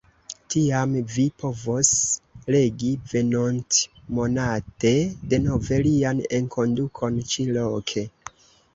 Tiam vi povos legi venontmonate denove lian enkondukon ĉi-loke!